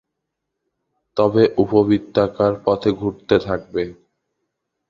তবে উপবৃত্তাকার পথে ঘুরতে থাকবে।